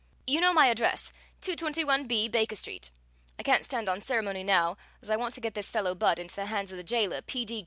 You know my address, 221 B Baker Street. I can't stand on ceremony now, as I want to get this fellow Budd into the hands of the jailer P.